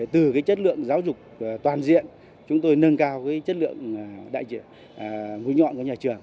từ cái chất lượng giáo dục toàn diện chúng tôi nâng cao cái chất lượng mũi nhọn của nhà trường